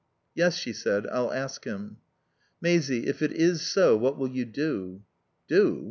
"Yes," she said, "I'll ask him." "Maisie if it is so what will you do?" "Do?